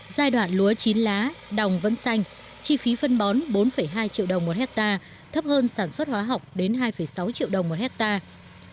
giai đoạn lúa chín lá đồng vẫn xanh chi phí phân bón bốn hai triệu đồng một hectare thấp hơn sản xuất hóa học đến hai sáu triệu đồng một hectare